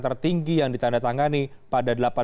tertinggi yang ditandatangani pada